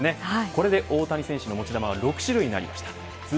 これで大谷選手の持ち球は６種類になりました。